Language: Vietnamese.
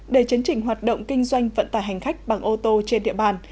để chấn trình hoạt động kinh doanh vận tài hành khách bằng ô tô trên địa bàn